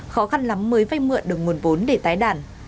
khó khăn lắm mới vay mượn được nguồn vốn để tái đản